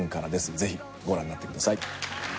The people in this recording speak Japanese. ぜひご覧になってください。